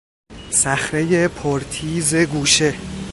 صخرهی پر تیز گوشه